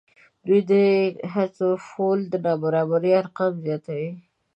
د دوی حذفول د نابرابرۍ ارقام زیاتوي